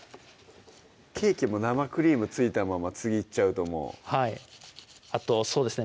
ケーキも生クリーム付いたまま次いっちゃうともうはいあとそうですね